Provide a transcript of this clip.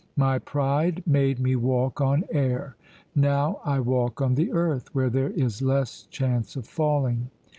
My pride made me walk on air; now I walk on the earth, where there is less chance of falling.